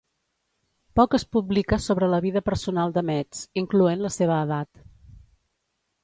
Poc es publica sobre la vida personal de Metz, incloent la seva edat.